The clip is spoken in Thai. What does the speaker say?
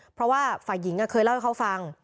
เพราะว่าฝ่ายหญิงเคยเล่าให้เขาฟัง